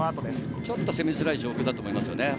ちょっと攻めづらい状況ではありますね。